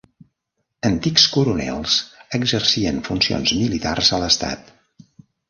Antics coronels exercien funcions militars a l'estat.